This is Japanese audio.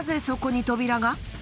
そこに扉が？